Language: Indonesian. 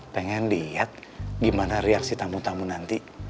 pengen lihat gimana reaksi tamu tamu nanti